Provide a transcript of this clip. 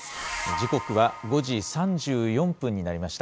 時刻は５時３４分になりました。